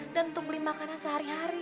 dan untuk beli makanan sehari hari